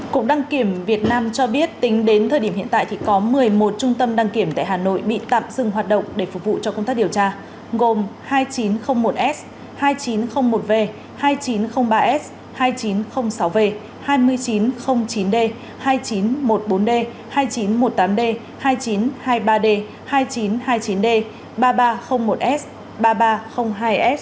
cụ đăng kiểm việt nam cho biết tính đến thời điểm hiện tại thì có một mươi một trung tâm đăng kiểm tại hà nội bị tạm dừng hoạt động để phục vụ cho công tác điều tra gồm hai nghìn chín trăm linh một s hai nghìn chín trăm linh một v hai nghìn chín trăm linh ba s hai nghìn chín trăm linh sáu v hai nghìn chín trăm linh chín d hai nghìn chín trăm một mươi bốn d hai nghìn chín trăm một mươi tám d hai nghìn chín trăm hai mươi ba d hai nghìn chín trăm hai mươi chín d ba nghìn ba trăm linh một s ba nghìn ba trăm linh hai s